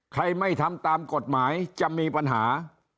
ใครไม่ทำตามกฎหมายจะมีปัญหา